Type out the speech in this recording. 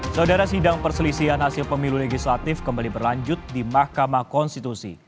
saudara sidang perselisihan hasil pemilu legislatif kembali berlanjut di mahkamah konstitusi